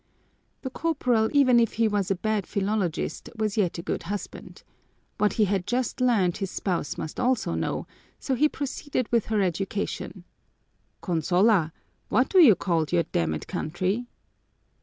The corporal, even if he was a bad philologist, was yet a good husband. What he had just learned his spouse must also know, so he proceeded with her education: "Consola, what do you call your damned country?"